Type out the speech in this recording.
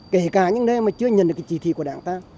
kể cả những nơi mà chưa nhận được cái chỉ thị của đảng ta